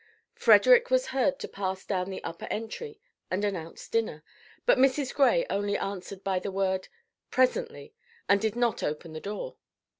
Frederic was heard to pass down the upper entry and announce dinner; but Mrs. Gray only answered by the word "Presently," and did not open the door.